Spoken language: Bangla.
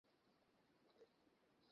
একটি তোমার, একটি সতীশের।